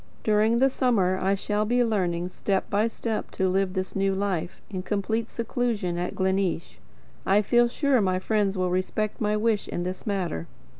During the summer I shall be learning step by step to live this new life, in complete seclusion at Gleneesh. I feel sure my friends will respect my wish in this matter.